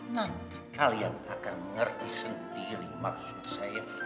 nanti kalian akan mengerti sendiri maksud saya